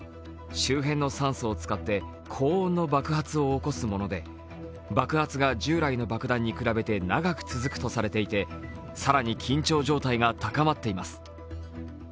周辺の酸素を使って高温の爆発を起こすもので爆発が従来の爆弾に比べて長く続くとされていて更に緊張状態が高まっています。